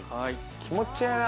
気持ちええな！